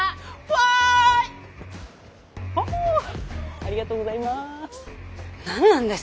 ありがとうございます。